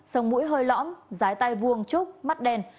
sông mũi hơi lõm giái tai vuông trúc mắt đen